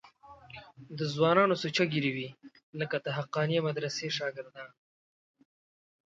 د ځوانانو سوچه ږیرې وې لکه د حقانیه مدرسې شاګردان.